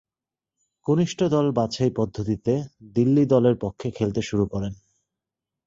কনিষ্ঠ দল বাছাই পদ্ধতিতে দিল্লি দলের পক্ষে খেলতে শুরু করেন।